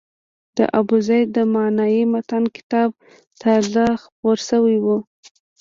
د ابوزید د معنای متن کتاب تازه خپور شوی و.